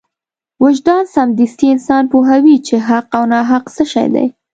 وجدان سمدستي انسان پوهوي چې حق او ناحق څه شی دی.